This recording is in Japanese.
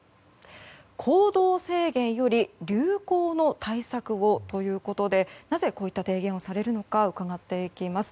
行動制限より流行の対策をということでなぜこういった提言をされるのか伺っていきます。